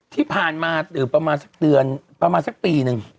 ที่ผ่านมาประมาณสักเดือนประมาณสักปีหนึ่ง